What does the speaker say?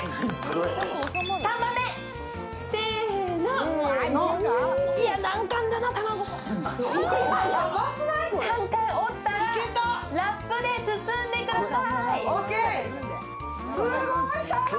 ３回折ったら、ラップで包んでください。